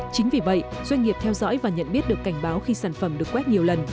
chính vì vậy doanh nghiệp theo dõi và nhận biết được cảnh báo khi sản phẩm được quét nhiều lần